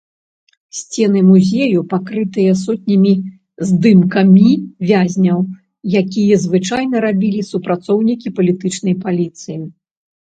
Сцены музею пакрытыя сотнямі здымкамі вязняў, якія звычайна рабілі супрацоўнікі палітычнай паліцыі.